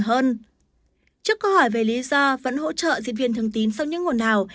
trước câu hỏi về lý do vẫn hỗ trợ diễn viên thương tín sau những nguồn nào